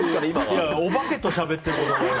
お化けとしゃべってることになる。